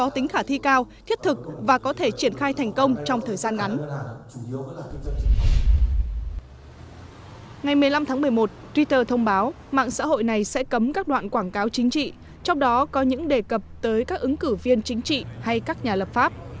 twitter thông báo mạng xã hội này sẽ cấm các đoạn quảng cáo chính trị trong đó có những đề cập tới các ứng cử viên chính trị hay các nhà lập pháp